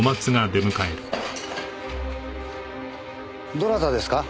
どなたですか？